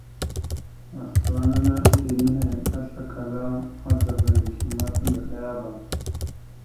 Afalaŋana iɗə nehe aslakala madəzava neke ma tandaɗayaba.